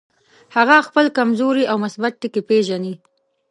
هغه خپل کمزوري او مثبت ټکي پېژني.